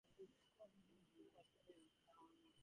The school mascot is the Bulldog.